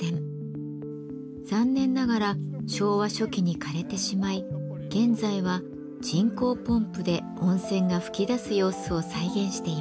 残念ながら昭和初期にかれてしまい現在は人工ポンプで温泉が噴き出す様子を再現しています。